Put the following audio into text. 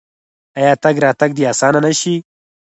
آیا تګ راتګ دې اسانه نشي؟